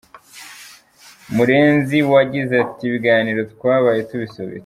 Murenzi yagize ati “Ibiganiro twabaye tubisubitse.